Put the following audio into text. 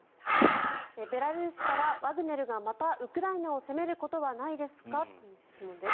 ベラルーシからワグネルがまたウクライナを攻めることはないですかという質問です。